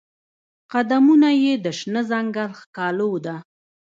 قدمونه یې د شنه ځنګل ښکالو ده